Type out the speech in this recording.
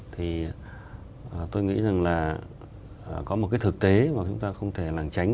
thì tôi nghĩ rằng là có một cái thực tế mà chúng ta không thể lảng tránh